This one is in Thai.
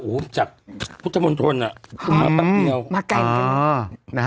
อู๋จากพุทธมนตรน่ะอื้อมาแป๊บเดียวมาใกล้อ๋อนะฮะ